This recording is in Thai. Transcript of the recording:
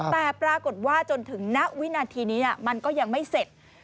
แต่ปรากฏว่าจนถึงณวินาทีนี้มันก็ยังไม่เสร็จ